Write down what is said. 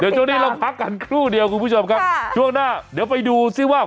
ช่วงนี้เราพักกันครู่เดียวคุณผู้ชมครับช่วงหน้าเดี๋ยวไปดูซิว่า